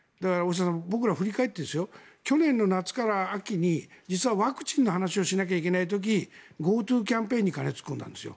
僕ら、振り返ってですよ去年の夏から秋に実はワクチンの話をしなきゃいけない時ＧｏＴｏキャンペーンに金を突っ込んだんですよ。